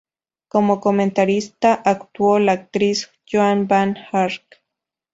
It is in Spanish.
Como comentarista, actuó la actriz Joan Van Ark.